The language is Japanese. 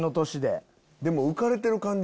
浮かれてる感じ